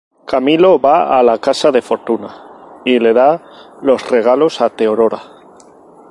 Camilo va a la casa de Fortuna y le da los regalos a Teodora.